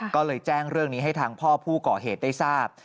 ก็เลยแจ้งเรื่องนี้ให้ทางพ่อผู้ก่อเหตุได้ทราบ